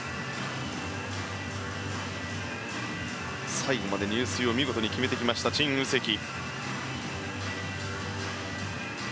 最後まで入水を見事に決めたチン・ウセキ。